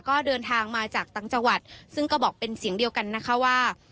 ก็เดินทางมาจากต่างจังหวัดซึ่งก็บอกเป็นเสียงเดียวกันนะคะว่า